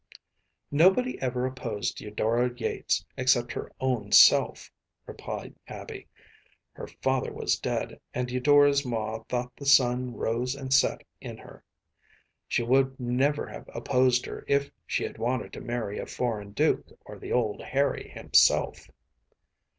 ‚ÄĚ “Nobody ever opposed Eudora Yates except her own self,‚ÄĚ replied Abby. “Her father was dead, and Eudora’s ma thought the sun rose and set in her. She would never have opposed her if she had wanted to marry a foreign duke or the old Harry himself.